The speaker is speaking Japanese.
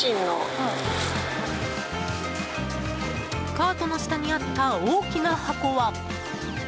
カートの下にあった大きな箱は。